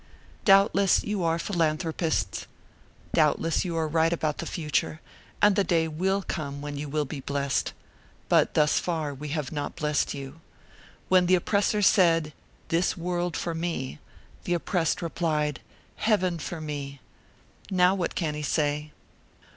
Doubtless you are philanthropists, doubtless you are right about the future, and the day will come when you will be blessed; but thus far, we have not blessed you. When the oppressor said: "This world for me!" the oppressed replied: "Heaven for me!" Now what can he say?